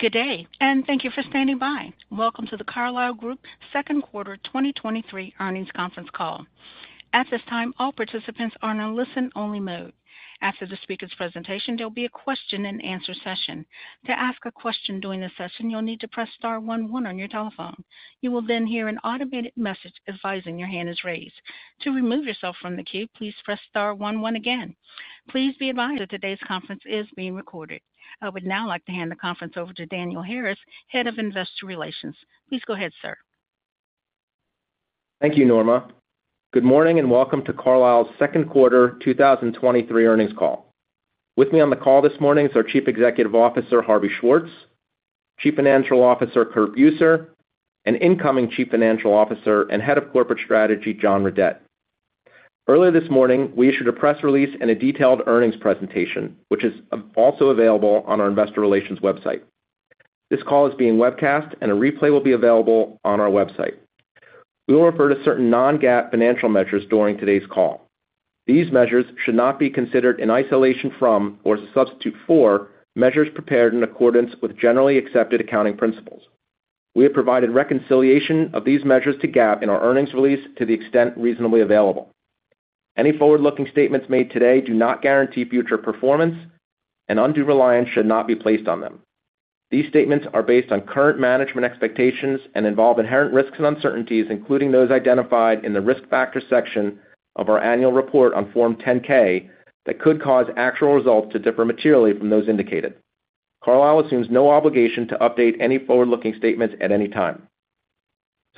Good day, and thank you for standing by. Welcome to The Carlyle Group second quarter 2023 earnings conference call. At this time, all participants are in a listen-only mode. After the speaker's presentation, there'll be a question-and-answer session. To ask a question during the session, you'll need to press star one one on your telephone. You will then hear an automated message advising your hand is raised. To remove yourself from the queue, please press star one one again. Please be advised that today's conference is being recorded. I would now like to hand the conference over to Daniel Harris, Head of Investor Relations. Please go ahead, sir. Thank you, Norma. Good morning, and welcome to Carlyle's second quarter 2023 earnings call. With me on the call this morning is our Chief Executive Officer, Harvey Schwartz, Chief Financial Officer, Curt Buser, and Incoming Chief Financial Officer and Head of Corporate Strategy, John Redett. Earlier this morning, we issued a press release and a detailed earnings presentation, which is also available on our investor relations website. This call is being webcast, and a replay will be available on our website. We will refer to certain non-GAAP financial measures during today's call. These measures should not be considered in isolation from or as a substitute for measures prepared in accordance with generally accepted accounting principles. We have provided reconciliation of these measures to GAAP in our earnings release to the extent reasonably available. Any forward-looking statements made today do not guarantee future performance, and undue reliance should not be placed on them. These statements are based on current management expectations and involve inherent risks and uncertainties, including those identified in the risk factors section of our annual report on Form 10-K, that could cause actual results to differ materially from those indicated. Carlyle assumes no obligation to update any forward-looking statements at any time.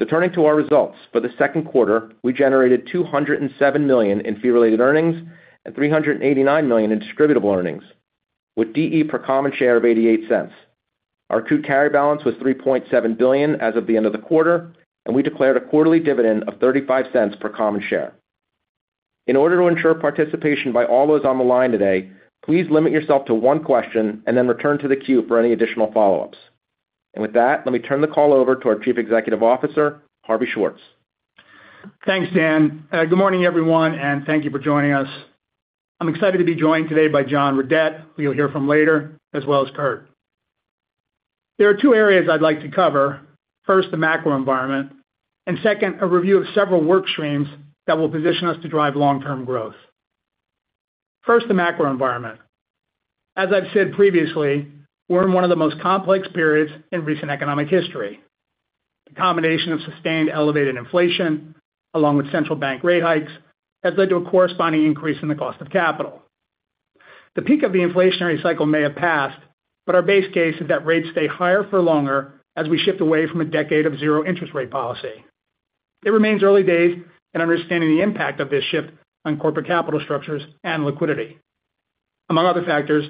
Turning to our results, for the second quarter, we generated $207 million in fee-related earnings and $389 million in distributable earnings, with DE per common share of $0.88. Our two carry balance was $3.7 billion as of the end of the quarter, and we declared a quarterly dividend of $0.35 per common share. In order to ensure participation by all those on the line today, please limit yourself to one question and then return to the queue for any additional follow-ups. With that, let me turn the call over to our Chief Executive Officer, Harvey Schwartz. Thanks, Dan. Good morning, everyone, and thank you for joining us. I'm excited to be joined today by John Redett, who you'll hear from later, as well as Kurt. There are two areas I'd like to cover. First, the macro environment, and second, a review of several work streams that will position us to drive long-term growth. First, the macro environment. As I've said previously, we're in one of the most complex periods in recent economic history. The combination of sustained elevated inflation, along with central bank rate hikes, has led to a corresponding increase in the cost of capital. The peak of the inflationary cycle may have passed, but our base case is that rates stay higher for longer as we shift away from a decade of zero interest rate policy. It remains early days in understanding the impact of this shift on corporate capital structures and liquidity. Among other factors,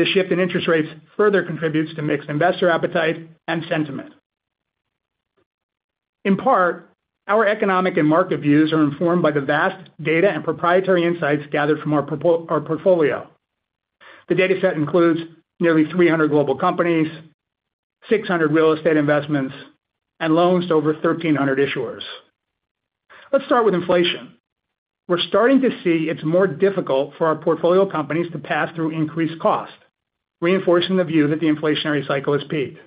this shift in interest rates further contributes to mixed investor appetite and sentiment. In part, our economic and market views are informed by the vast data and proprietary insights gathered from our portfolio. The dataset includes nearly 300 global companies, 600 real estate investments, and loans to over 1,300 issuers. Let's start with inflation. We're starting to see it's more difficult for our portfolio companies to pass through increased costs, reinforcing the view that the inflationary cycle has peaked.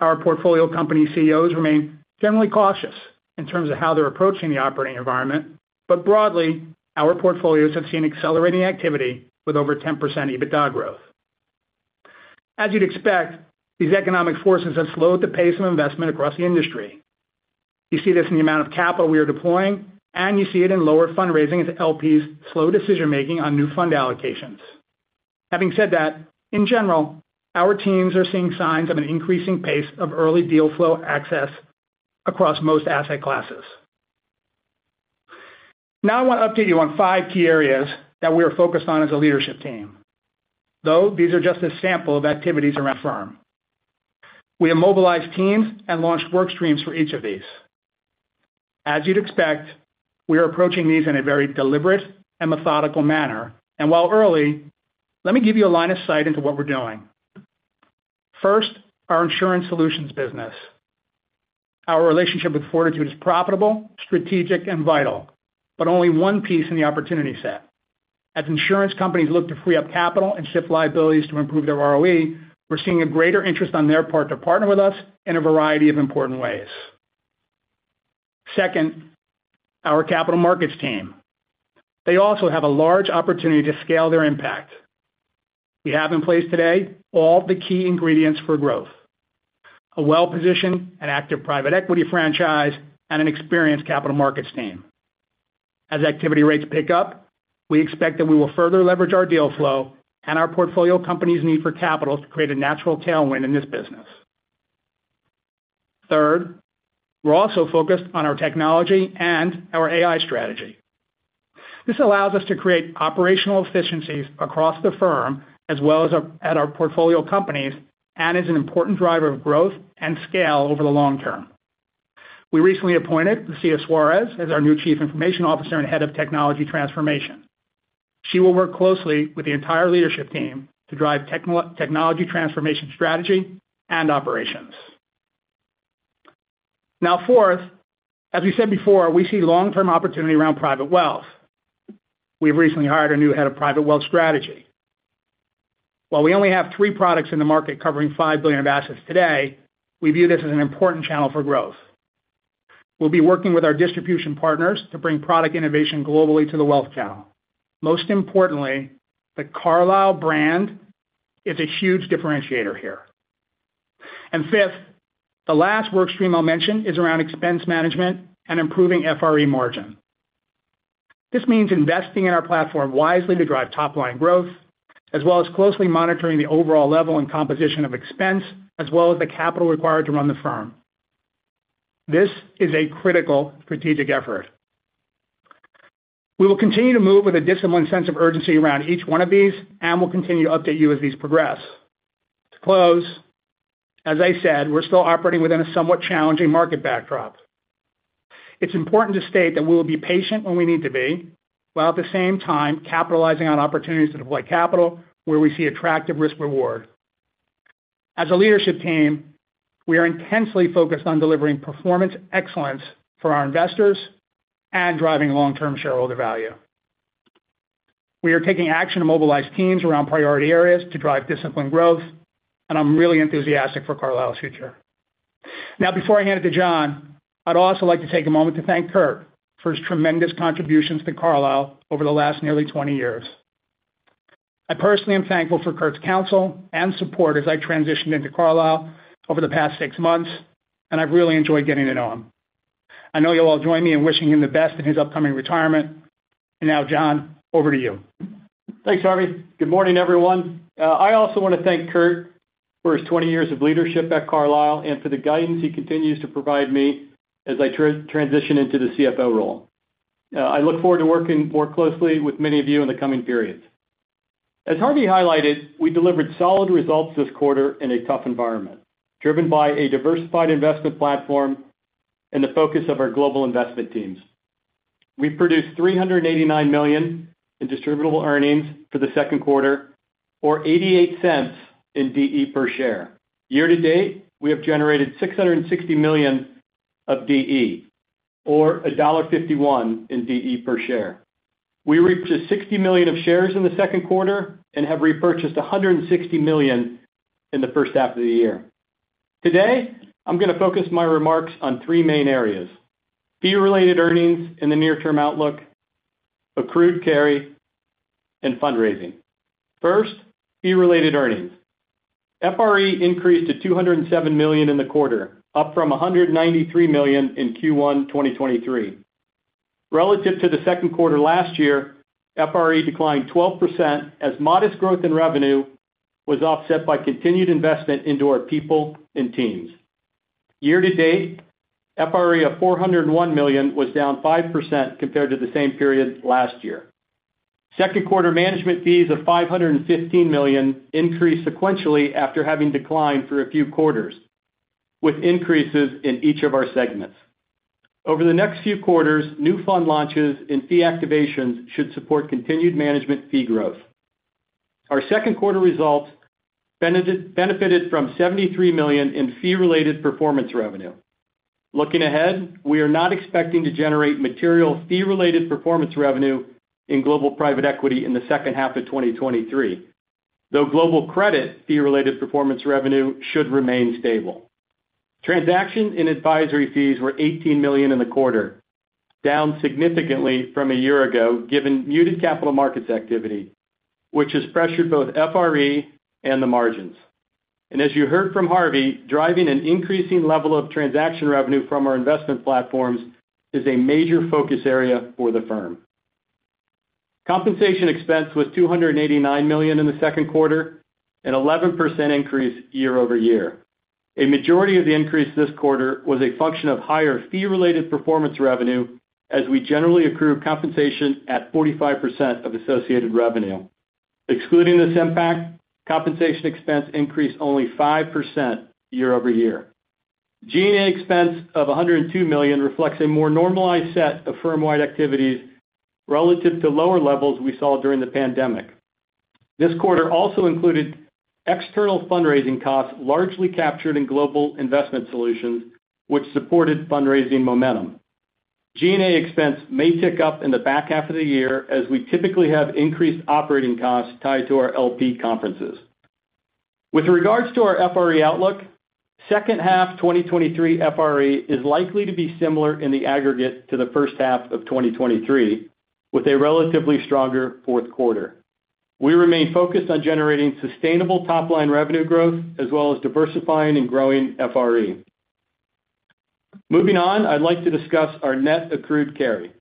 Our portfolio company CEOs remain generally cautious in terms of how they're approaching the operating environment, but broadly, our portfolios have seen accelerating activity with over 10% EBITDA growth. As you'd expect, these economic forces have slowed the pace of investment across the industry. You see this in the amount of capital we are deploying, you see it in lower fundraising as LPs slow decision-making on new fund allocations. Having said that, in general, our teams are seeing signs of an increasing pace of early deal flow access across most asset classes. I want to update you on five key areas that we are focused on as a leadership team, though these are just a sample of activities around the firm. We have mobilized teams and launched work streams for each of these. As you'd expect, we are approaching these in a very deliberate and methodical manner. While early, let me give you a line of sight into what we're doing. First, our insurance solutions business. Our relationship with Fortitude is profitable, strategic, and vital, but only one piece in the opportunity set. As insurance companies look to free up capital and shift liabilities to improve their ROE, we're seeing a greater interest on their part to partner with us in a variety of important ways. Second, our capital markets team. They also have a large opportunity to scale their impact. We have in place today all the key ingredients for growth: a well-positioned and active private equity franchise and an experienced capital markets team. As activity rates pick up, we expect that we will further leverage our deal flow and our portfolio companies' need for capital to create a natural tailwind in this business. Third, we're also focused on our technology and our AI strategy. This allows us to create operational efficiencies across the firm, as well as at our portfolio companies, and is an important driver of growth and scale over the long term. We recently appointed Lúcia Soares as our new Chief Information Officer and Head of Technology Transformation. She will work closely with the entire leadership team to drive technology transformation strategy and operations. Fourth, as we said before, we see long-term opportunity around private wealth. We've recently hired a new head of private wealth strategy. While we only have three products in the market covering $5 billion of assets today, we view this as an important channel for growth. We'll be working with our distribution partners to bring product innovation globally to the wealth channel. Most importantly, the Carlyle brand is a huge differentiator here. Fifth, the last work stream I'll mention is around expense management and improving FRE margin. This means investing in our platform wisely to drive top-line growth, as well as closely monitoring the overall level and composition of expense, as well as the capital required to run the firm. This is a critical strategic effort. We will continue to move with a disciplined sense of urgency around each one of these, and we'll continue to update you as these progress. To close, as I said, we're still operating within a somewhat challenging market backdrop. It's important to state that we will be patient when we need to be, while at the same time capitalizing on opportunities to deploy capital where we see attractive risk reward. As a leadership team, we are intensely focused on delivering performance excellence for our investors and driving long-term shareholder value. We are taking action to mobilize teams around priority areas to drive disciplined growth, and I'm really enthusiastic for Carlyle's future. Now before I hand it to John, I'd also like to take a moment to thank Kurt for his tremendous contributions to Carlyle over the last nearly 20 years. I personally am thankful for Kurt's counsel and support as I transitioned into Carlyle over the past six months, and I've really enjoyed getting to know him. I know you'll all join me in wishing him the best in his upcoming retirement. Now, John, over to you. Thanks, Harvey. Good morning, everyone. I also wanna thank Kurt for his 20 years of leadership at Carlyle and for the guidance he continues to provide me as I transition into the CFO role. I look forward to working more closely with many of you in the coming periods. As Harvey highlighted, we delivered solid results this quarter in a tough environment, driven by a diversified investment platform and the focus of our global investment teams. We've produced $389 million in distributable earnings for the second quarter, or $0.88 in DE per share. Year to date, we have generated $660 million of DE, or $1.51 in DE per share. We repurchased $60 million of shares in the second quarter and have repurchased $160 million in the first half of the year. Today, I'm gonna focus my remarks on three main areas: fee-related earnings and the near-term outlook, accrued carry, and fundraising. First, fee-related earnings. FRE increased to $207 million in the quarter, up from $193 million in Q1 2023. Relative to the second quarter last year, FRE declined 12% as modest growth in revenue was offset by continued investment into our people and teams. Year to date, FRE of $401 million was down 5% compared to the same period last year. Second quarter management fees of $515 million increased sequentially after having declined for a few quarters, with increases in each of our segments. Over the next few quarters, new fund launches and fee activations should support continued management fee growth. Our second quarter results benefited from $73 million in fee-related performance revenue. Looking ahead, we are not expecting to generate material fee-related performance revenue in global private equity in the second half of 2023, though global credit fee-related performance revenue should remain stable. Transaction and advisory fees were $18 million in the quarter, down significantly from a year ago, given muted capital markets activity, which has pressured both FRE and the margins. As you heard from Harvey, driving an increasing level of transaction revenue from our investment platforms is a major focus area for the firm. Compensation expense was $289 million in the second quarter, an 11% increase year-over-year. A majority of the increase this quarter was a function of higher fee-related performance revenue, as we generally accrue compensation at 45% of associated revenue. Excluding this impact, compensation expense increased only 5% year-over-year. G&A expense of $102 million reflects a more normalized set of firm-wide activities relative to lower levels we saw during the pandemic. This quarter also included external fundraising costs, largely captured in Global Investment Solutions, which supported fundraising momentum. G&A expense may tick up in the back half of the year, as we typically have increased operating costs tied to our LP conferences. With regards to our FRE outlook, second half 2023 FRE is likely to be similar in the aggregate to the first half of 2023, with a relatively stronger fourth quarter. We remain focused on generating sustainable top-line revenue growth, as well as diversifying and growing FRE. Moving on, I'd like to discuss our net accrued carry.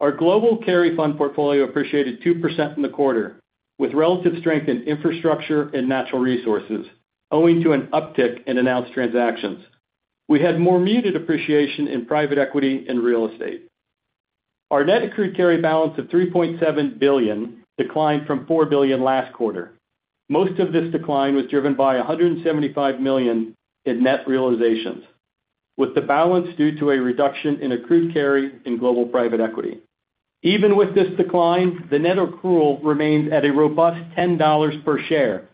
Our global carry fund portfolio appreciated 2% in the quarter, with relative strength in infrastructure and natural resources, owing to an uptick in announced transactions. We had more muted appreciation in private equity and real estate. Our Net Accrued Carry balance of $3.7 billion declined from $4 billion last quarter. Most of this decline was driven by $175 million in net realizations, with the balance due to a reduction in Accrued Carry in Global Private Equity. Even with this decline, the net accrual remains at a robust $10 per share,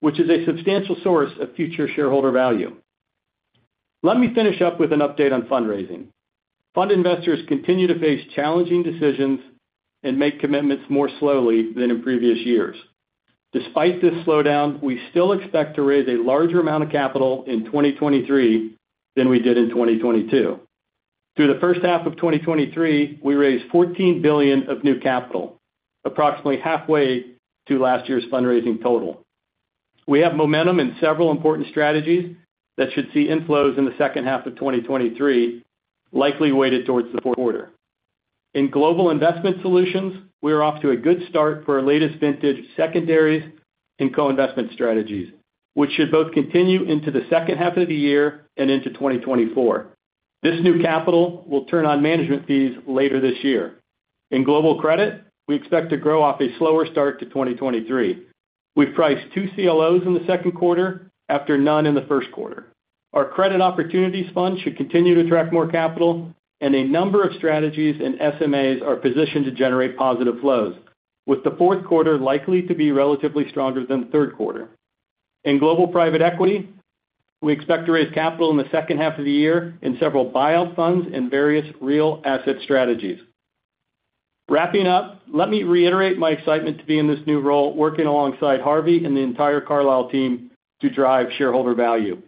which is a substantial source of future shareholder value. Let me finish up with an update on fundraising. Fund investors continue to face challenging decisions and make commitments more slowly than in previous years. Despite this slowdown, we still expect to raise a larger amount of capital in 2023 than we did in 2022. Through the first half of 2023, we raised $14 billion of new capital, approximately halfway to last year's fundraising total. We have momentum in several important strategies that should see inflows in the second half of 2023, likely weighted towards the fourth quarter. In Global Investment Solutions, we are off to a good start for our latest vintage secondaries and co-investment strategies, which should both continue into the second half of the year and into 2024. This new capital will turn on management fees later this year. In global credit, we expect to grow off a slower start to 2023. We've priced two CLOs in the second quarter after none in the first quarter. Our Credit Opportunities Fund should continue to attract more capital, and a number of strategies and SMAs are positioned to generate positive flows, with the fourth quarter likely to be relatively stronger than the third quarter. In global private equity, we expect to raise capital in the second half of the year in several buyout funds and various real asset strategies. Wrapping up, let me reiterate my excitement to be in this new role, working alongside Harvey and the entire Carlyle team to drive shareholder value.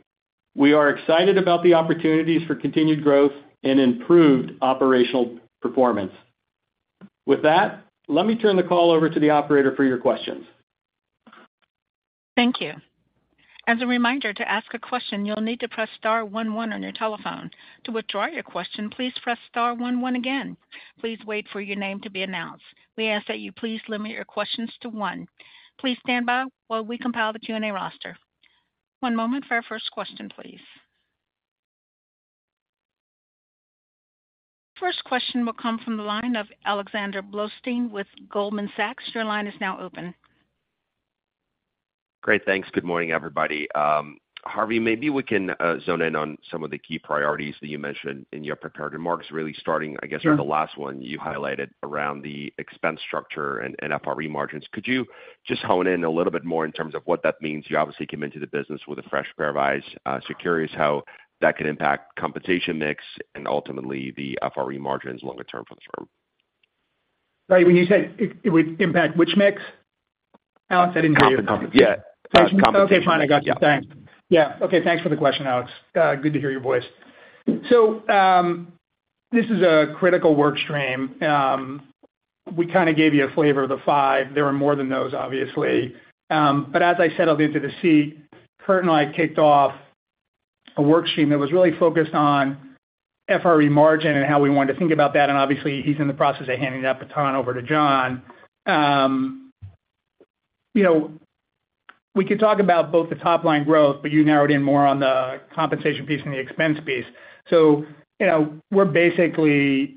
We are excited about the opportunities for continued growth and improved operational performance. With that, let me turn the call over to the operator for your questions. Thank you. As a reminder, to ask a question, you'll need to press star one one on your telephone. To withdraw your question, please press star one one again. Please wait for your name to be announced. We ask that you please limit your questions to one. Please stand by while we compile the Q&A roster. One moment for our first question, please. First question will come from the line of Alexander Blostein with Goldman Sachs. Your line is now open. Great. Thanks. Good morning, everybody. Harvey, maybe we can zone in on some of the key priorities that you mentioned in your prepared remarks, really starting, I guess, on the last one you highlighted around the expense structure and, and FRE margins. Could you just hone in a little bit more in terms of what that means? You obviously came into the business with a fresh pair of eyes, so curious how that could impact compensation mix and ultimately the FRE margins longer term for the firm. Sorry, when you said it, it would impact which mix? Alex, I didn't hear you. Comp and comp. Yeah, compensation. Okay, fine. I got you. Thanks. Yeah. Okay, thanks for the question, Alex. Good to hear your voice. This is a critical work stream. We kinda gave you a flavor of the 5. There are more than those, obviously. As I settled into the seat, Kurt and I kicked off a work stream that was really focused on FRE margin and how we wanted to think about that. Obviously, he's in the process of handing that baton over to John. You know, we could talk about both the top-line growth, you narrowed in more on the compensation piece and the expense piece. You know, we're basically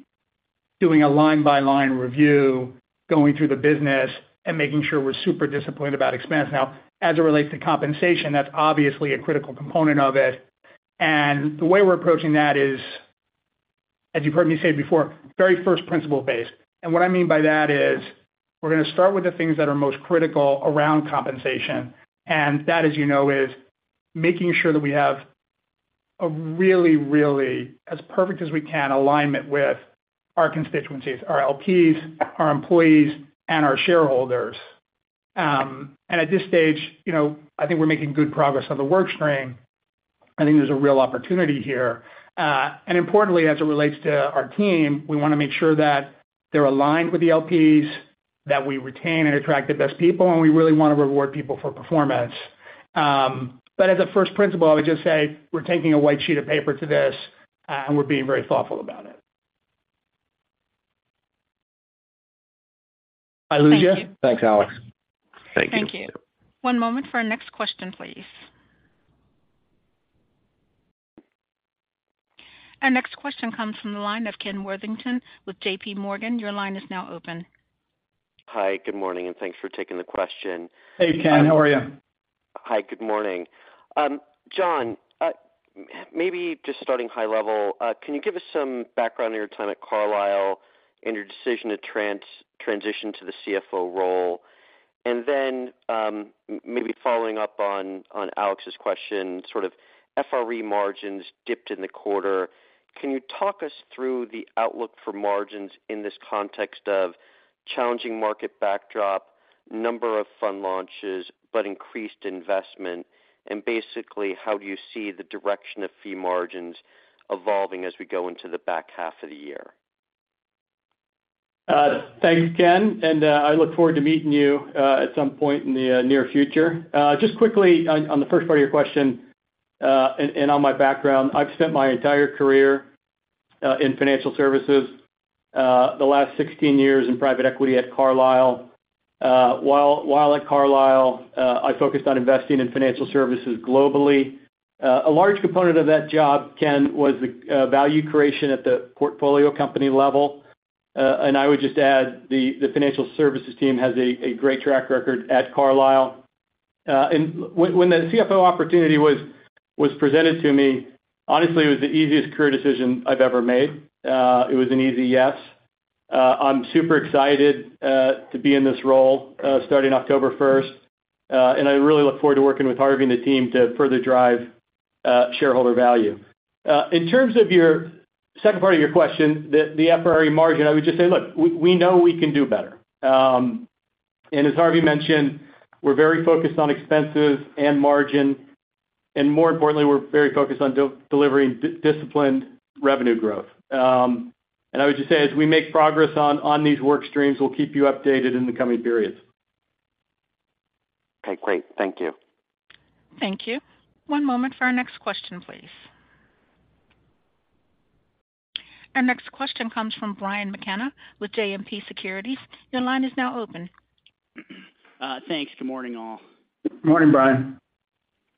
doing a line-by-line review, going through the business and making sure we're super disciplined about expense. Now, as it relates to compensation, that's obviously a critical component of it. The way we're approaching that is, as you've heard me say before, very first principle phase. What I mean by that is, we're gonna start with the things that are most critical around compensation, and that, as you know, is making sure that we have a really, really, as perfect as we can, alignment with our constituencies, our LPs, our employees, and our shareholders. At this stage, you know, I think we're making good progress on the work stream. I think there's a real opportunity here. Importantly, as it relates to our team, we wanna make sure that they're aligned with the LPs, that we retain and attract the best people, and we really want to reward people for performance. As a first principle, I would just say we're taking a white sheet of paper to this, and we're being very thoughtful about it. Did I lose you? Thanks, Alex. Thank you. Thank you. One moment for our next question, please. Our next question comes from the line of Ken Worthington with JPMorgan. Your line is now open. Hi, good morning. Thanks for taking the question. Hey, Ken. How are you? Hi, good morning. John, maybe just starting high level, can you give us some background on your time at Carlyle and your decision to transition to the CFO role? Maybe following up on Alex's question, sort of FRE margins dipped in the quarter. Can you talk us through the outlook for margins in this context of challenging market backdrop, number of fund launches, but increased investment? Basically, how do you see the direction of fee margins evolving as we go into the back half of the year? Thank you, Ken, and I look forward to meeting you at some point in the near future. Just quickly on, on the first part of your question, and, and on my background, I've spent my entire career in financial services, the last 16 years in private equity at Carlyle. While, while at Carlyle, I focused on investing in financial services globally. A large component of that job, Ken, was the value creation at the portfolio company level. And I would just add the, the financial services team has a great track record at Carlyle.... When, when the CFO opportunity was, was presented to me, honestly, it was the easiest career decision I've ever made. It was an easy yes. I'm super excited to be in this role, starting October first, and I really look forward to working with Harvey and the team to further drive shareholder value. In terms of your second part of your question, the, the FRE margin, I would just say, look, we, we know we can do better. As Harvey mentioned, we're very focused on expenses and margin, and more importantly, we're very focused on delivering disciplined revenue growth. I would just say, as we make progress on, on these work streams, we'll keep you updated in the coming periods. Okay, great. Thank you. Thank you. One moment for our next question, please. Our next question comes from Brian McKenna with JMP Securities. Your line is now open. Thanks. Good morning, all. Morning, Brian.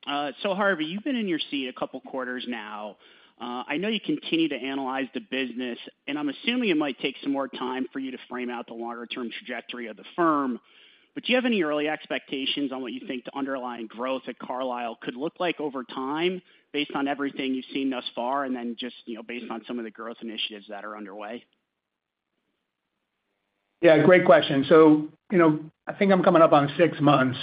Harvey, you've been in your seat a couple quarters now. I know you continue to analyze the business, and I'm assuming it might take some more time for you to frame out the longer-term trajectory of the firm. But do you have any early expectations on what you think the underlying growth at Carlyle could look like over time, based on everything you've seen thus far, and then just, you know, based on some of the growth initiatives that are underway? Yeah, great question. You know, I think I'm coming up on six months,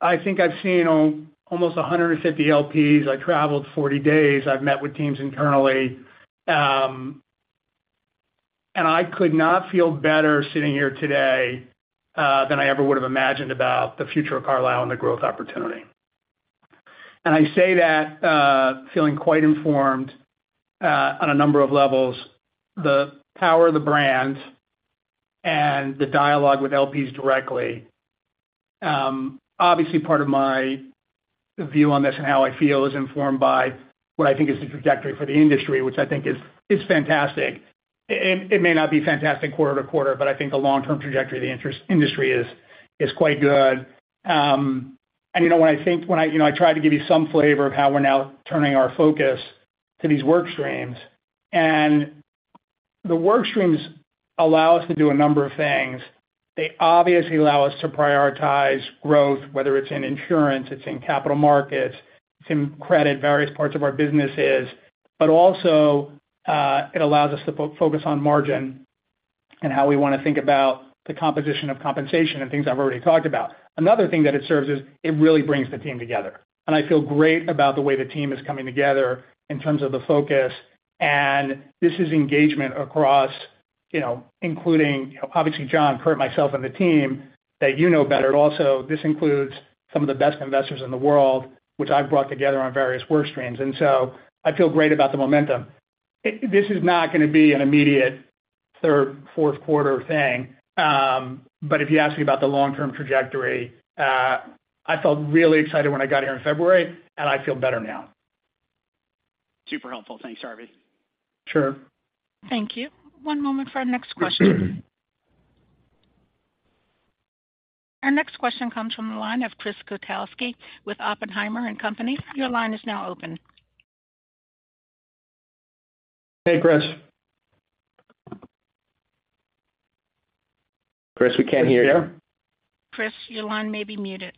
and I think I've seen on almost 150 LPs. I traveled 40 days. I've met with teams internally, and I could not feel better sitting here today than I ever would have imagined about the future of Carlyle and the growth opportunity. I say that feeling quite informed on a number of levels, the power of the brand and the dialogue with LPs directly. Obviously, part of my view on this and how I feel is informed by what I think is the trajectory for the industry, which I think is, is fantastic. It, it may not be fantastic quarter to quarter, but I think the long-term trajectory of the industry is, is quite good. You know, when I think, when I, you know, I tried to give you some flavor of how we're now turning our focus to these work streams, and the work streams allow us to do a number of things. They obviously allow us to prioritize growth, whether it's in insurance, it's in capital markets, it's in credit, various parts of our businesses. Also, it allows us to focus on margin and how we want to think about the composition of compensation and things I've already talked about. Another thing that it serves is, it really brings the team together, and I feel great about the way the team is coming together in terms of the focus, and this is engagement across, you know, including, obviously, John, Kurt, myself, and the team that you know better. This includes some of the best investors in the world, which I've brought together on various work streams. I feel great about the momentum. This is not gonna be an immediate third, fourth quarter thing. If you ask me about the long-term trajectory, I felt really excited when I got here in February. I feel better now. Super helpful. Thanks, Harvey. Sure. Thank you. One moment for our next question. Our next question comes from the line of Chris Kotowski with Oppenheimer & Co. Your line is now open. Hey, Chris. Chris, we can't hear you. Chris, your line may be muted.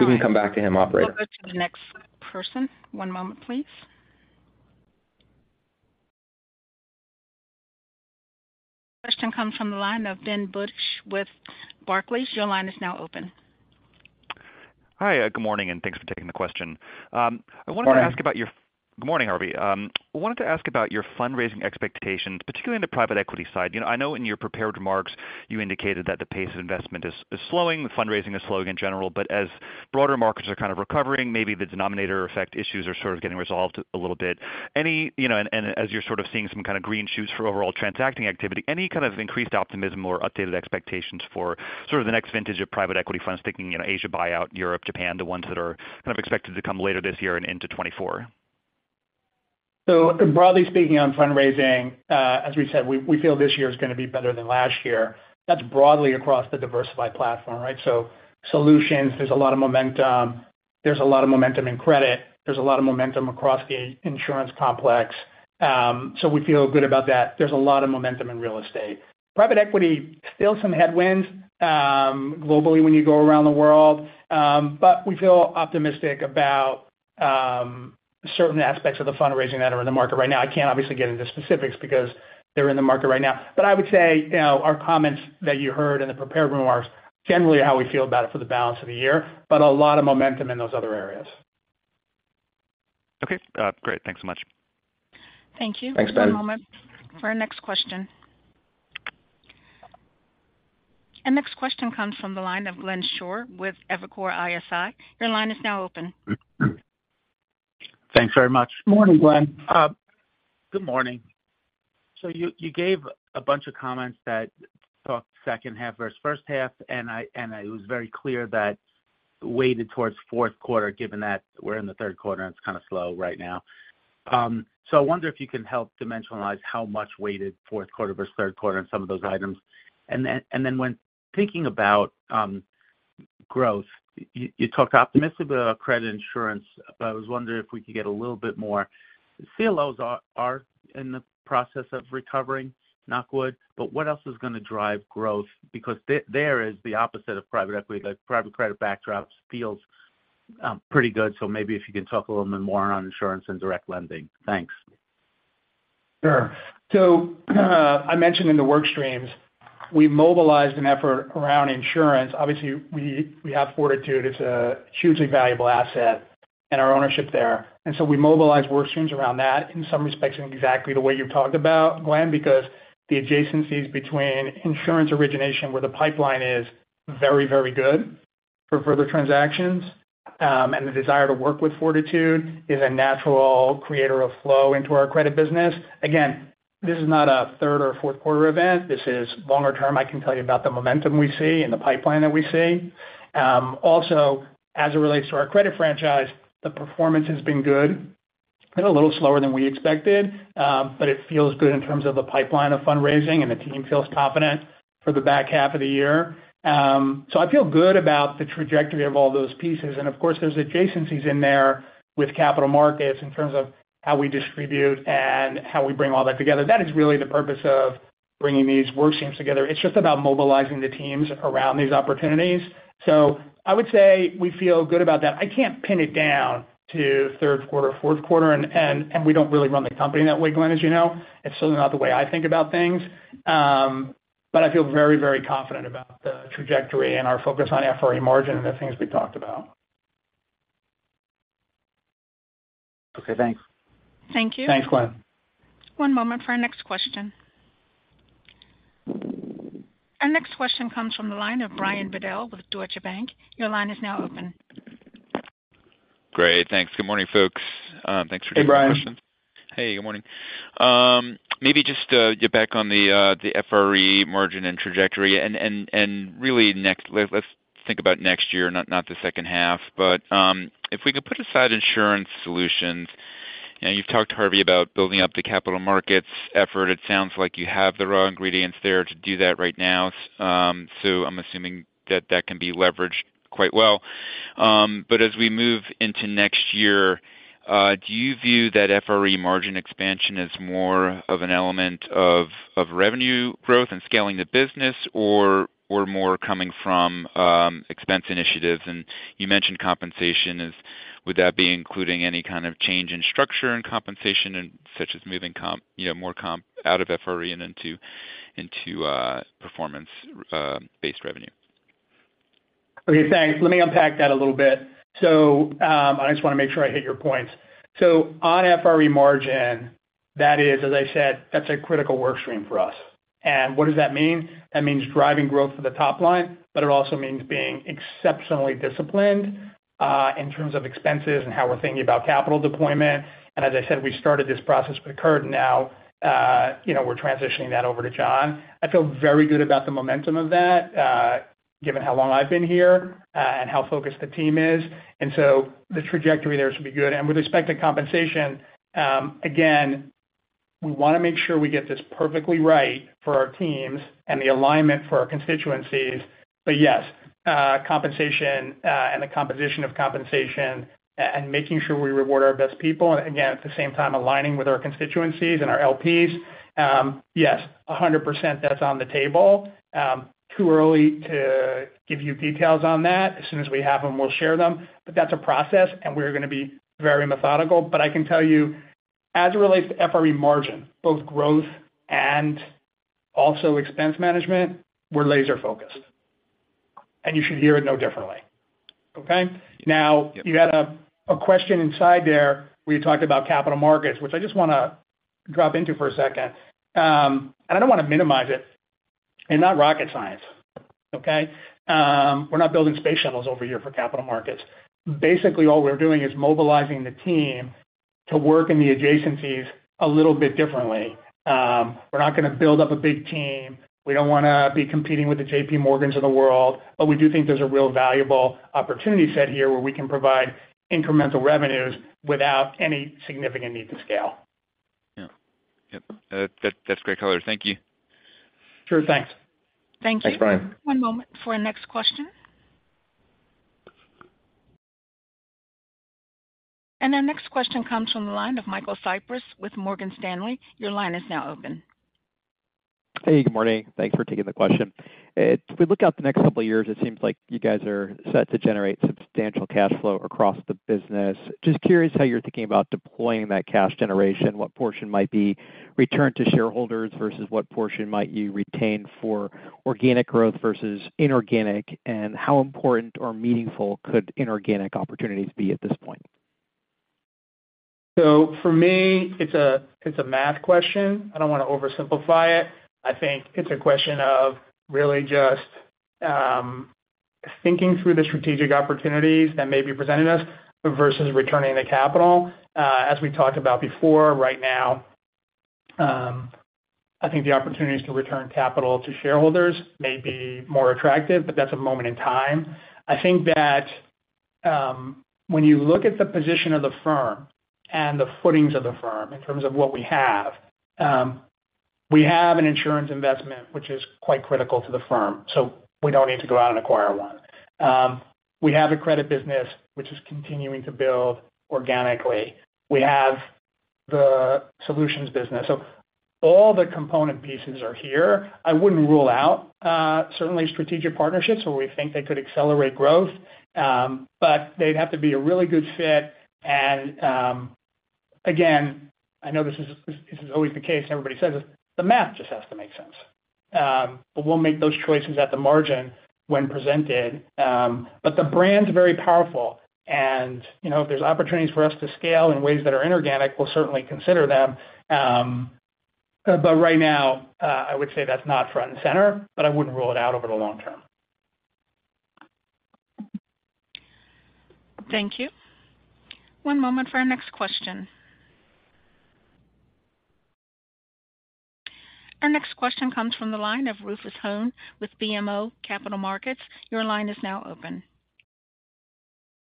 We can come back to him, operator. We'll go to the next person. One moment, please. Question comes from the line of Benjamin Budish with Barclays. Your line is now open. Hi, good morning, and thanks for taking the question. I wanted to ask about your- Morning. Good morning, Harvey. I wanted to ask about your fundraising expectations, particularly in the private equity side. You know, I know in your prepared remarks, you indicated that the pace of investment is, is slowing, the fundraising is slowing in general, but as broader markets are kind of recovering, maybe the denominator effect issues are sort of getting resolved a little bit. Any, you know, and, and as you're sort of seeing some kind of green shoots for overall transacting activity, any kind of increased optimism or updated expectations for sort of the next vintage of private equity funds, thinking, you know, Asia buyout, Europe, Japan, the ones that are kind of expected to come later this year and into 2024? Broadly speaking, on fundraising, as we said, we, we feel this year is gonna be better than last year. That's broadly across the diversified platform, right? Solutions, there's a lot of momentum. There's a lot of momentum in credit. There's a lot of momentum across the insurance complex. We feel good about that. There's a lot of momentum in real estate. Private equity, still some headwinds, globally when you go around the world. We feel optimistic about certain aspects of the fundraising that are in the market right now. I can't obviously get into specifics because they're in the market right now. I would say, you know, our comments that you heard in the prepared remarks, generally how we feel about it for the balance of the year, but a lot of momentum in those other areas. Okay, great. Thanks so much. Thank you. Thanks, Ben. One moment for our next question. Our next question comes from the line of Glenn Schorr with Evercore ISI. Your line is now open. Thanks very much. Morning, Glenn. Good morning. You, you gave a bunch of comments that talked second half versus first half, and I, and it was very clear that weighted towards fourth quarter, given that we're in the third quarter and it's kind of slow right now. I wonder if you can help dimensionalize how much weighted fourth quarter versus third quarter in some of those items. Then, and then when thinking about,... growth. You, you talk optimistically about credit insurance, but I was wondering if we could get a little bit more. CLOs are, are in the process of recovering, knock wood, but what else is going to drive growth? Because there is the opposite of private equity, the private credit backdrop feels pretty good. Maybe if you can talk a little bit more on insurance and direct lending. Thanks. Sure. I mentioned in the work streams, we mobilized an effort around insurance. Obviously, we, we have Fortitude. It's a hugely valuable asset and our ownership there. We mobilized work streams around that, in some respects, in exactly the way you've talked about, Glenn, because the adjacencies between insurance origination, where the pipeline is very, very good for further transactions, and the desire to work with Fortitude is a natural creator of flow into our credit business. Again, this is not a third or fourth quarter event. This is longer term. I can tell you about the momentum we see and the pipeline that we see. Also, as it relates to our credit franchise, the performance has been good and a little slower than we expected, but it feels good in terms of the pipeline of fundraising, and the team feels confident for the back half of the year. I feel good about the trajectory of all those pieces. Of course, there's adjacencies in there with capital markets in terms of how we distribute and how we bring all that together. That is really the purpose of bringing these work streams together. It's just about mobilizing the teams around these opportunities. I would say we feel good about that. I can't pin it down to third quarter, fourth quarter, and we don't really run the company that way, Glenn, as you know. It's certainly not the way I think about things. I feel very, very confident about the trajectory and our focus on FRE margin and the things we talked about. Okay, thanks. Thank you. Thanks, Glenn. One moment for our next question. Our next question comes from the line of Brian Bedell with Deutsche Bank. Your line is now open. Great. Thanks. Good morning, folks. Thanks for taking the questions. Hey, Brian. Hey, good morning. Maybe just get back on the FRE margin and trajectory and, and, and really let's think about next year, not the second half. If we could put aside insurance solutions, and you've talked, Harvey, about building up the capital markets effort. It sounds like you have the raw ingredients there to do that right now, so I'm assuming that that can be leveraged quite well. As we move into next year, do you view that FRE margin expansion as more of an element of, of revenue growth and scaling the business or, or more coming from, expense initiatives? You mentioned compensation is, would that be including any kind of change in structure and compensation, and such as moving comp, you know, more comp out of FRE and into, into performance-based revenue? Okay, thanks. Let me unpack that a little bit. I just want to make sure I hit your points. On FRE margin, that is, as I said, that's a critical work stream for us. What does that mean? That means driving growth for the top line, but it also means being exceptionally disciplined in terms of expenses and how we're thinking about capital deployment. As I said, we started this process with Kurt, now, you know, we're transitioning that over to John. I feel very good about the momentum of that, given how long I've been here and how focused the team is. The trajectory there should be good. With respect to compensation, again, we want to make sure we get this perfectly right for our teams and the alignment for our constituencies. Yes, compensation and the composition of compensation and making sure we reward our best people, and again, at the same time, aligning with our constituencies and our LPs, yes, 100% that's on the table. Too early to give you details on that. As soon as we have them, we'll share them. That's a process, and we're going to be very methodical. I can tell you, as it relates to FRE margin, both growth and also expense management, we're laser-focused, and you should hear it no differently. Okay. You had a question inside there where you talked about capital markets, which I just want to drop into for a second. I don't want to minimize it. It's not rocket science, okay. We're not building space shuttles over here for capital markets. Basically, all we're doing is mobilizing the team to work in the adjacencies a little bit differently. We're not going to build up a big team. We don't want to be competing with the JPMorgan's of the world, but we do think there's a real valuable opportunity set here where we can provide incremental revenues without any significant need to scale. Yeah. Yep, that, that's great color. Thank you. Sure. Thanks. Thank you. Thanks, Brian. One moment for our next question. Our next question comes from the line of Michael Cyprys with Morgan Stanley. Your line is now open. Hey, good morning. Thanks for taking the question. If we look out the next couple of years, it seems like you guys are set to generate substantial cash flow across the business. Just curious how you're thinking about deploying that cash generation, what portion might be returned to shareholders versus what portion might you retain for organic growth versus inorganic, and how important or meaningful could inorganic opportunities be at this point? For me, it's a math question. I don't want to oversimplify it. I think it's a question of really just thinking through the strategic opportunities that may be presented us versus returning the capital. As we talked about before, right now, I think the opportunities to return capital to shareholders may be more attractive, but that's a moment in time. I think that when you look at the position of the firm and the footings of the firm in terms of what we have, We have an insurance investment, which is quite critical to the firm, so we don't need to go out and acquire one. We have a credit business, which is continuing to build organically. We have the solutions business. All the component pieces are here. I wouldn't rule out, certainly strategic partnerships where we think they could accelerate growth, but they'd have to be a really good fit. Again, I know this is, this is always the case, everybody says this, the math just has to make sense. We'll make those choices at the margin when presented. The brand's very powerful, and, you know, if there's opportunities for us to scale in ways that are inorganic, we'll certainly consider them. Right now, I would say that's not front and center, but I wouldn't rule it out over the long term. Thank you. One moment for our next question. Our next question comes from the line of Rufus Hone with BMO Capital Markets. Your line is now open.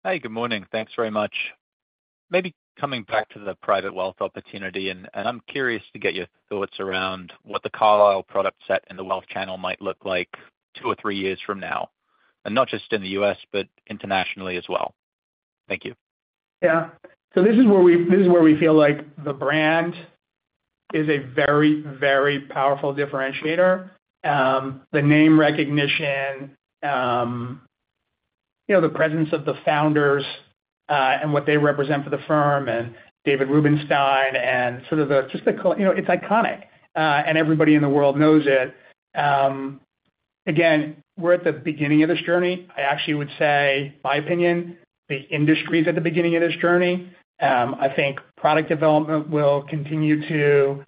Hi, good morning. Thanks very much. Maybe coming back to the private wealth opportunity, and I'm curious to get your thoughts around what the Carlyle product set and the wealth channel might look like two or three years from now, and not just in the US, but internationally as well. Thank you. Yeah. So this is where we-- this is where we feel like the brand is a very, very powerful differentiator. The name recognition, you know, the presence of the founders, and what they represent for the firm, and David Rubenstein and sort of the, you know, it's iconic, and everybody in the world knows it. Again, we're at the beginning of this journey. I actually would say, my opinion, the industry's at the beginning of this journey. I think product development will continue to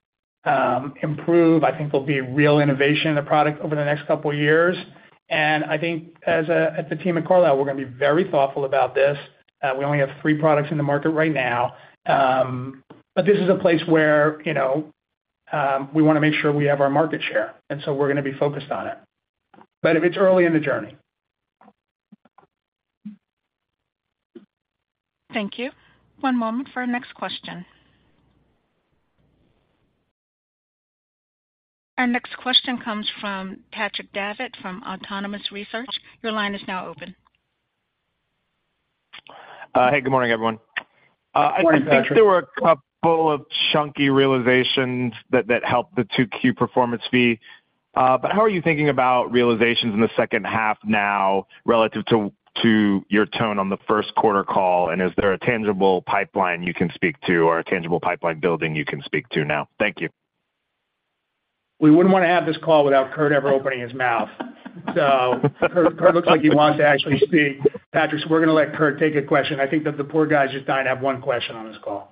improve. I think there'll be real innovation in the product over the next couple of years. I think as a, as the team at Carlyle, we're going to be very thoughtful about this. We only have three products in the market right now, but this is a place where, you know, we want to make sure we have our market share, and so we're going to be focused on it. It's early in the journey. Thank you. One moment for our next question. Our next question comes from Patrick Davitt, from Autonomous Research. Your line is now open. Hey, good morning, everyone. Good morning, Patrick. I think there were a couple of chunky realizations that, that helped the 2Q performance fee. How are you thinking about realizations in the second half now, relative to your tone on the first quarter call? Is there a tangible pipeline you can speak to or a tangible pipeline building you can speak to now? Thank you. We wouldn't want to have this call without Kurt ever opening his mouth. Kurt, Kurt looks like he wants to actually speak. Patrick, we're going to let Kurt take a question. I think that the poor guy is just dying to have one question on this call.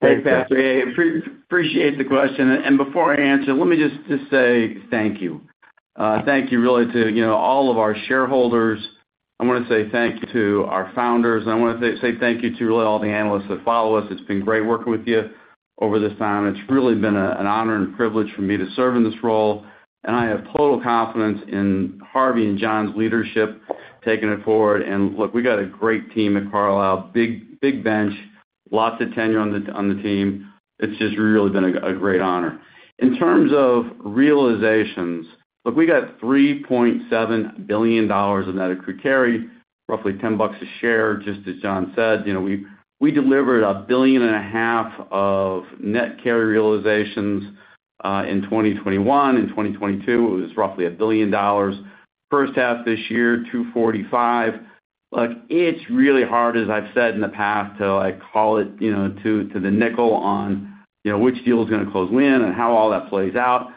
Thanks, Patrick. I appreciate the question. Before I answer, let me just say thank you. Thank you really to, you know, all of our shareholders. I want to say thank you to our founders. I want to say thank you to really all the analysts that follow us. It's been great working with you over this time. It's really been an honor and privilege for me to serve in this role, and I have total confidence in Harvey and John's leadership taking it forward. Look, we got a great team at Carlyle, big, big bench, lots of tenure on the team. It's just really been a great honor. In terms of realizations, look, we got $3.7 billion of net equity carry, roughly $10 a share, just as John said. You know, we, we delivered $1.5 billion of net carry realizations in 2021. In 2022, it was roughly $1 billion. First half this year, $245 million. Look, it's really hard, as I've said in the past, to, like, call it, you know, to, to the nickel on, you know, which deal is going to close when and how all that plays out.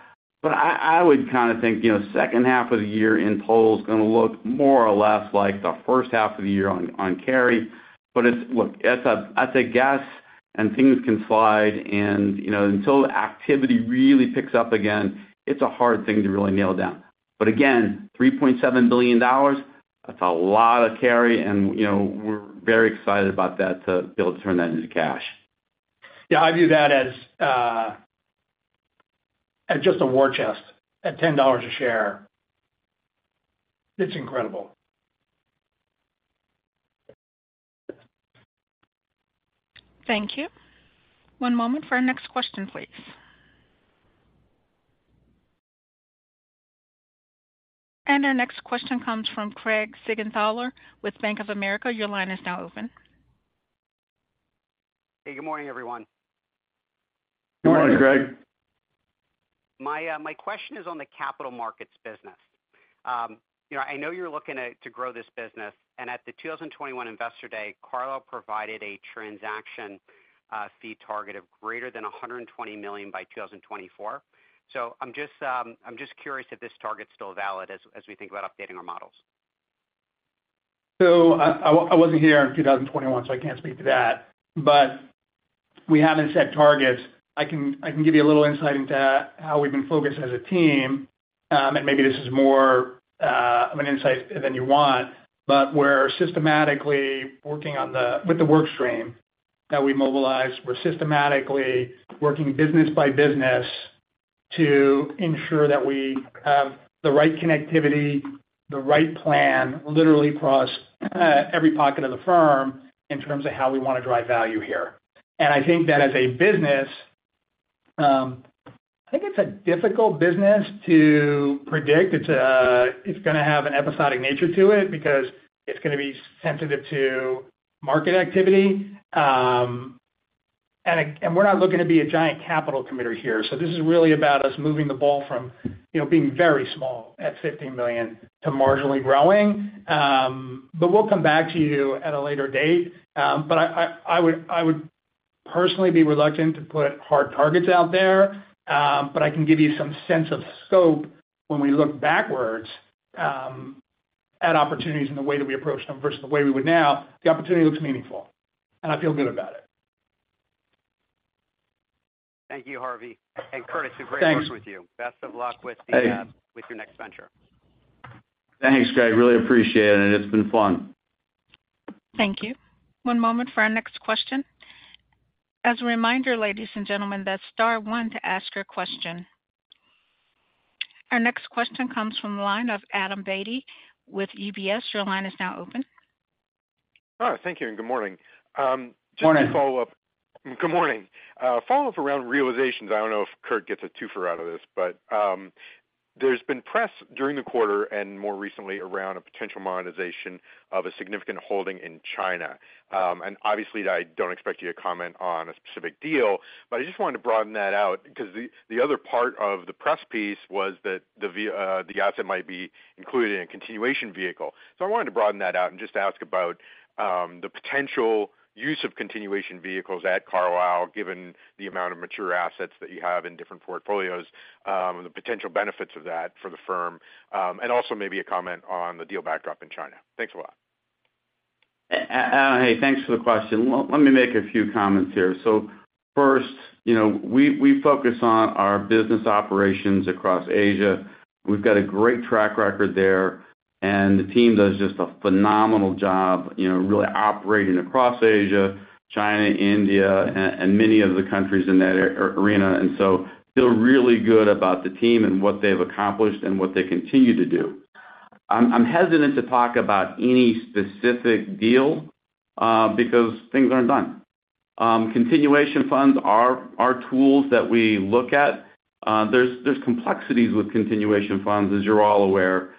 I, I would kind of think, you know, second half of the year in total is going to look more or less like the first half of the year on, on carry. It's, look, that's a, that's a guess, and things can slide and, you know, until activity really picks up again, it's a hard thing to really nail down. Again, $3.7 billion, that's a lot of carry and, you know, we're very excited about that to be able to turn that into cash. Yeah, I view that as, as just a war chest at $10 a share. It's incredible. Thank you. One moment for our next question, please. Our next question comes from Craig Siegenthaler with Bank of America. Your line is now open. Hey, good morning, everyone. Good morning, Craig. Good morning. My question is on the capital markets business. You know, I know you're looking at, to grow this business, and at the 2021 Investor Day, Carlyle provided a transaction fee target of greater than $120 million by 2024. I'm just curious if this target is still valid as, as we think about updating our models. I, I wasn't here in 2021, so I can't speak to that, but we haven't set targets. I can, I can give you a little insight into how we've been focused as a team, and maybe this is more of an insight than you want, but we're systematically working with the work stream that we mobilized. We're systematically working business by business to ensure that we have the right connectivity, the right plan, literally across every pocket of the firm in terms of how we want to drive value here. I think that as a business, I think it's a difficult business to predict. It's it's gonna have an episodic nature to it because it's gonna be sensitive to market activity, and we're not looking to be a giant capital committer here. This is really about us moving the ball from, you know, being very small at $15 million to marginally growing. We'll come back to you at a later date. I, I, I would, I would personally be reluctant to put hard targets out there. I can give you some sense of scope when we look backwards, at opportunities and the way that we approach them versus the way we would now, the opportunity looks meaningful, and I feel good about it. Thank you, Harvey. Kurt, it's been great working with you. Thanks. Best of luck with the- Hey. With your next venture. Thanks, Greg. Really appreciate it, and it's been fun. Thank you. One moment for our next question. As a reminder, ladies and gentlemen, that's star one to ask your question. Our next question comes from the line of Adam Beatty with UBS. Your line is now open. Hi, thank you, and good morning. Morning. Just to follow up. Good morning. Follow up around realizations. I don't know if Kurt gets a twofer out of this, but there's been press during the quarter and more recently around a potential monetization of a significant holding in China. Obviously, I don't expect you to comment on a specific deal, but I just wanted to broaden that out because the other part of the press piece was that the asset might be included in a continuation vehicle. I wanted to broaden that out and just ask about the potential use of continuation vehicles at Carlyle, given the amount of mature assets that you have in different portfolios, and the potential benefits of that for the firm. Also maybe a comment on the deal backdrop in China. Thanks a lot. Adam, hey, thanks for the question. Let me make a few comments here. First, you know, we, we focus on our business operations across Asia. We've got a great track record there, and the team does just a phenomenal job, you know, really operating across Asia, China, India, and many of the countries in that arena, feel really good about the team and what they've accomplished and what they continue to do. I'm, I'm hesitant to talk about any specific deal because things aren't done. continuation funds are, are tools that we look at. There's, there's complexities with continuation funds, as you're all aware.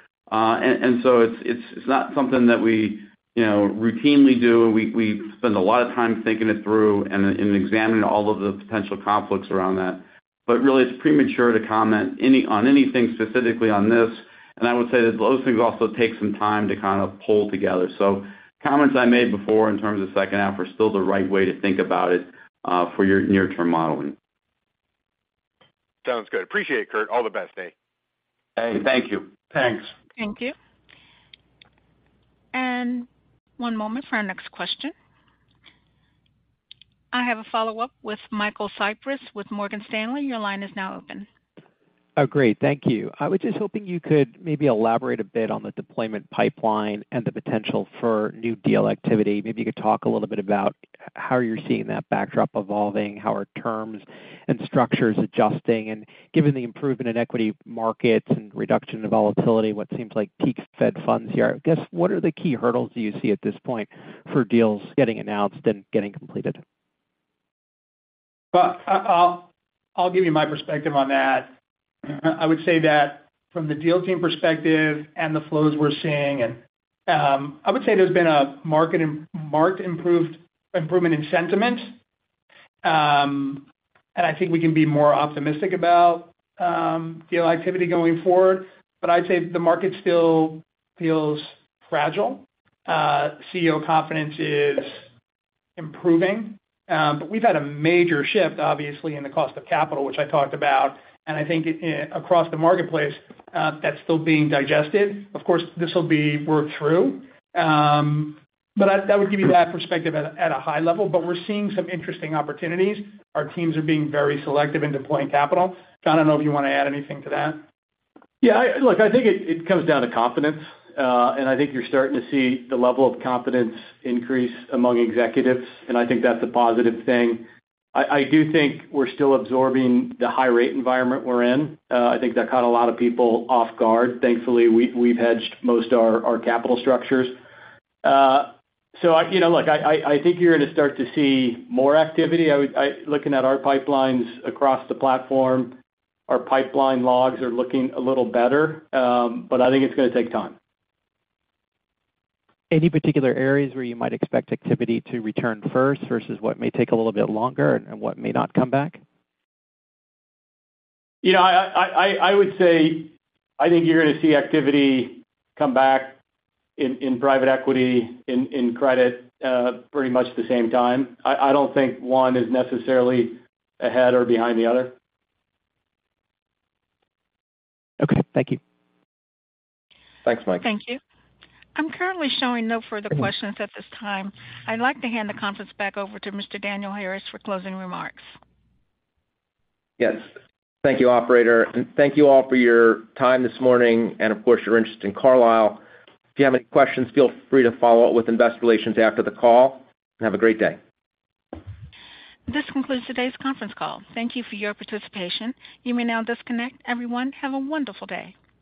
It's, it's not something that we, you know, routinely do. We, we spend a lot of time thinking it through and examining all of the potential conflicts around that. Really, it's premature to comment any, on anything specifically on this. I would say that those things also take some time to kind of pull together. Comments I made before in terms of the second half are still the right way to think about it, for your near-term modeling. Sounds good. Appreciate it, Kurt. All the best to you. Hey, thank you. Thanks. Thank you. One moment for our next question. I have a follow-up with Michael Cyprys with Morgan Stanley. Your line is now open. Oh, great. Thank you. I was just hoping you could maybe elaborate a bit on the deployment pipeline and the potential for new deal activity. Maybe you could talk a little bit about how you're seeing that backdrop evolving, how are terms and structures adjusting? Given the improvement in equity markets and reduction in volatility, what seems like peak Fed funds here, I guess, what are the key hurdles you see at this point for deals getting announced and getting completed? Well, I, I'll, I'll give you my perspective on that. I would say that from the deal team perspective and the flows we're seeing, and, I would say there's been a marked improvement in sentiment. I think we can be more optimistic about deal activity going forward. I'd say the market still feels fragile. CEO confidence is improving, but we've had a major shift, obviously, in the cost of capital, which I talked about, and I think it across the marketplace, that's still being digested. Of course, this will be worked through. That, that would give you that perspective at, at a high level, but we're seeing some interesting opportunities. Our teams are being very selective in deploying capital. John, I don't know if you want to add anything to that. Yeah, look, I think it, it comes down to confidence, and I think you're starting to see the level of confidence increase among executives, and I think that's a positive thing. I, I do think we're still absorbing the high rate environment we're in. I think that caught a lot of people off guard. Thankfully, we, we've hedged most our, our capital structures. I, you know, look, I, I, I think you're gonna start to see more activity. Looking at our pipelines across the platform, our pipeline logs are looking a little better, I think it's gonna take time. Any particular areas where you might expect activity to return first versus what may take a little bit longer and, and what may not come back? You know, I, I, I would say, I think you're gonna see activity come back in, in private equity, in, in credit, pretty much the same time. I, I don't think one is necessarily ahead or behind the other. Okay. Thank you. Thanks, Mike. Thank you. I'm currently showing no further questions at this time. I'd like to hand the conference back over to Mr. Daniel Harris for closing remarks. Yes. Thank you, operator, and thank you all for your time this morning and of course, your interest in Carlyle. If you have any questions, feel free to follow up with invest relations after the call, and have a great day. This concludes today's conference call. Thank you for your participation. You may now disconnect. Everyone, have a wonderful day.